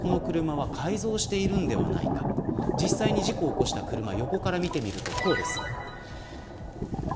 実際に事故を起こした車を横から見るとこうなっています。